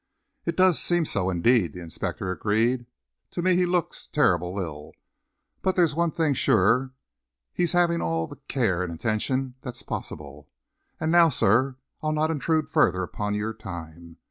"It does seem so, indeed," the inspector agreed. "To me he looks terrible ill. But there's one thing sure, he's having all the care and attention that's possible. And now, sir, I'll not intrude further upon your time.